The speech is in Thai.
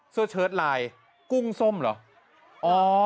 เสื้อเชิศลายกุ้งส้มเหรอ